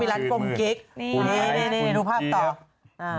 ดูภาพต่อ